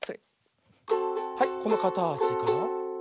はいこのかたちから。